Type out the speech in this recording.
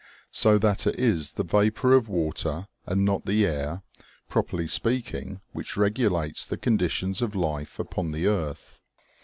So that it is the vapor of water and not the air, properly speaking, which regulates the conditions of life upon the earth.